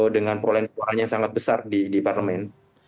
dengan prole suaranya sangat besar di parlemen